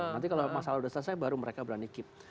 nanti kalau masalah sudah selesai baru mereka berani keep